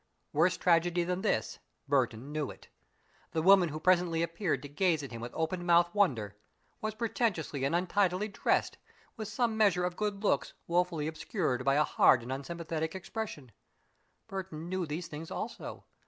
Worse tragedy than this, Burton knew it. The woman who presently appeared to gaze at him with open mouthed wonder, was pretentiously and untidily dressed, with some measure of good looks woefully obscured by a hard and unsympathetic expression. Burton knew these things also.